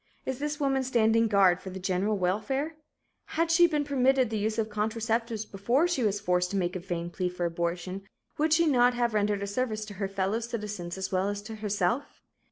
Is this woman standing guard for the general welfare? Had she been permitted the use of contraceptives before she was forced to make a vain plea for abortion, would she not have rendered a service to her fellow citizens, as well as to herself?